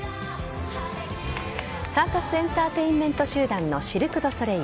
サーカスエンターテインメント集団のシルク・ドゥ・ソレイユ。